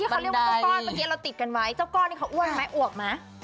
เขาเรียกว่าเจ้าก้อนเมื่อกี้เราติดกันไว้เจ้าก้อนนี่เขาอ้วนไหมอวกไหม